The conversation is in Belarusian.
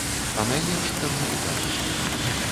А найлепш, каб не пыталіся.